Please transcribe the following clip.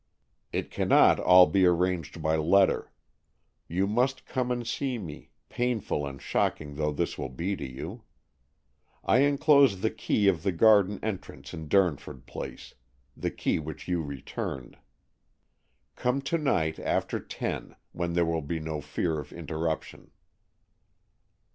" It cannot all be arranged by letter. You must come and see me, painful and shocking though this will be to you. I enclose the key of the garden entrance in Durnford Place, the key which you returned. Come to night after ten, when there will be no fear of interruption."